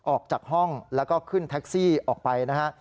ออกจากห้องแล้วก็ขึ้นแท็กซี่ออกไปนะฮะ